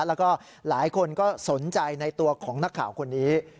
แล้วก็หลายคนก็สนใจในตัวของนักข่าวคนนี้